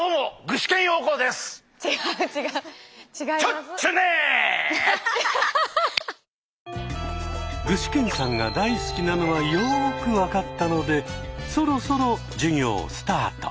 具志堅さんが大好きなのはよく分かったのでそろそろ授業スタート！